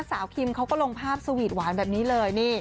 คิมเขาก็ลงภาพสวีทหวานแบบนี้เลยนี่